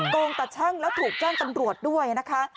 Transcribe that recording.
โกงแต่ช่างแล้วถูกแจ้งตำรวจด้วยนะคะ